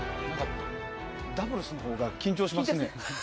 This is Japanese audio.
ダブルスのほうが緊張しますね。